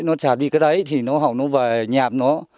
nó chạm đi cái đấy thì họ nó về nhạp nó